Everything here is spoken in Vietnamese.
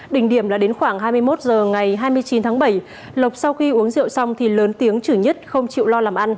đỉnh điểm là đến khoảng hai mươi một h ngày hai mươi chín tháng bảy lộc sau khi uống rượu xong thì lớn tiếng chủ nhất không chịu lo làm ăn